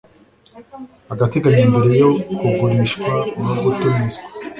agateganyo mbere yo kugurishwa no gutumizwa